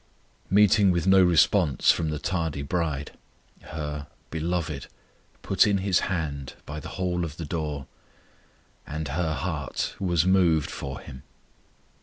Meeting with no response from the tardy bride, her Beloved put in His hand by the hole of the door, And "her" heart was moved for Him.